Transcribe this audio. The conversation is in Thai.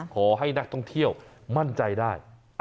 ขอให้นักท่องเที่ยวมั่นใจได้